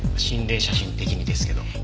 心霊写真的にですけど。